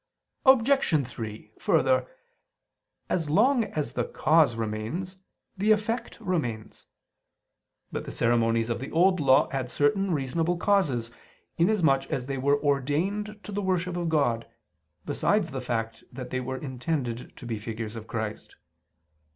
Obj. 3: Further, as long as the cause remains, the effect remains. But the ceremonies of the Old Law had certain reasonable causes, inasmuch as they were ordained to the worship of God, besides the fact that they were intended to be figures of Christ.